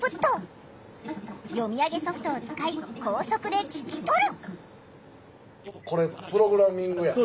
読み上げソフトを使い高速で聞き取る。